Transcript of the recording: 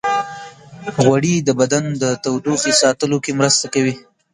غوړې د بدن د تودوخې ساتلو کې مرسته کوي.